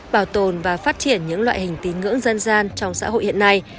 bảo tồn và phát triển những loại hình tín ngưỡng dân gian trong xã hội hiện nay